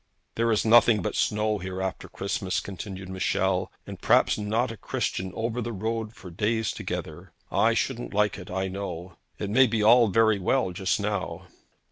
'There is nothing but snow here after Christmas,' continued Michel, 'and perhaps not a Christian over the road for days together. I shouldn't like it, I know. It may be all very well just now.'